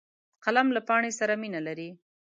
قلم له پاڼې سره مینه لري